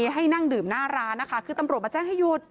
ให้นั่งดื่มหน้าร้านนะคะคือตำรวจมาแจ้งให้หยุด